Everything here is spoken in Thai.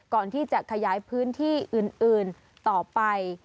ก่อนที่จะขยายพื้นที่อื่นต่อไป